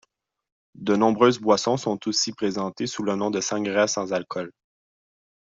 De nombreuses boissons sont aussi présentées sous le nom de sangria sans alcool.